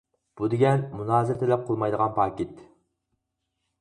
بۇ دېگەن مۇنازىرە تەلەپ قىلمايدىغان پاكىت.